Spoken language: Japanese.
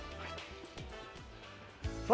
さあ、